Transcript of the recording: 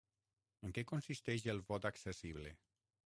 En què consisteix el vot accessible?